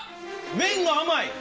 麺が甘い！